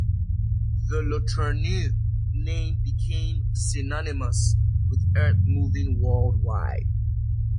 The LeTourneau name became synonymous with earthmoving worldwide.